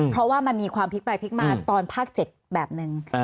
เพราะว่ามันมีความพลิกไปพลิกมาตอนภาค๗แบบนึง